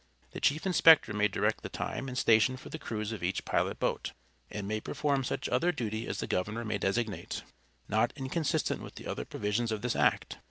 The chief inspector may direct the time and station for the cruise of each pilot boat, and perform such other duty as the Governor may designate, not inconsistent with the other provisions of this act.